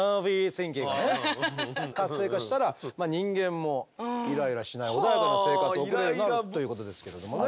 神経がね活性化したら人間もイライラしない穏やかな生活を送るようになるということですけれどもね。